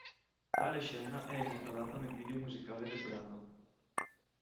Tale scena è immortalata nel video musicale del brano.